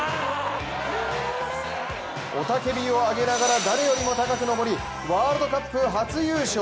雄たけびをあげながら誰よりも高く登りワールドカップ初優勝。